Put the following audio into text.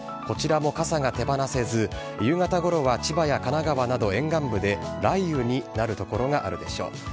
こちらも傘が手放せず、夕方ごろは千葉や神奈川など、沿岸部で雷雨になる所があるでしょう。